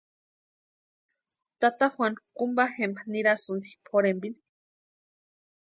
Tata Juanu kumpa jempa nirasïnti pʼorhempini.